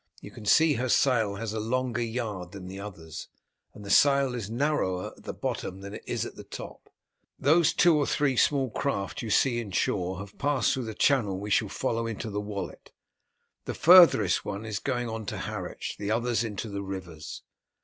You can see her sail has a longer yard than the others, and the sail is narrower at the bottom than it is at the top. Those two or three small craft you see more inshore have passed through the channel we shall follow into the Wallet. The farthest one is going on to Harwich, the others into the rivers.